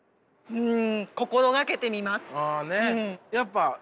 うん。